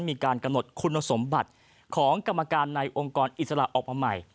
มีการกำหนดคุณสมบัติของกรรมการในองค์กรอิสระออกมาใหม่